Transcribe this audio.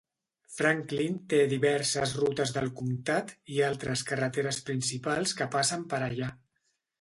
Franklin té diverses rutes del comtat i altres carreteres principals que passen per allà.